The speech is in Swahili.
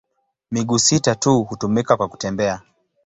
Miguu sita tu hutumika kwa kutembea.